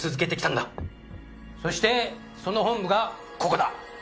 そしてその本部がここだ！